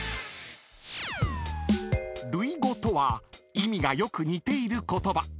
［類語とは意味がよく似ている言葉］